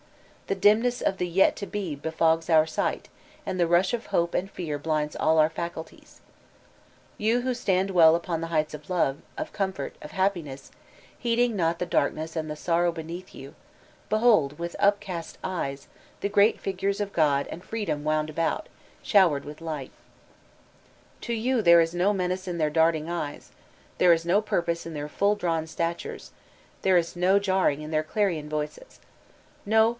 The dimness of the "yet to be" befogs our sight, and the rush of hope and fear blinds all our faculties. You who stand well upon the heights of love, off comfort, of happiness, heeding not the darkness and the sorrow beneath you, behold, with up cast eyes, the great figures of God and Freedom wound about, showered with li^t To you there b no menace in their darting eyes, there is no purpose in their full drawn statures, tfiere is no jarring in their clarion voices. No